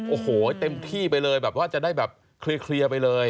โอ้โหเต็มที่ไปเลยแบบว่าจะได้แบบเคลียร์ไปเลย